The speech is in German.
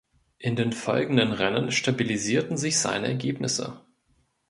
In den folgenden Rennen stabilisierten sich seine Ergebnisse.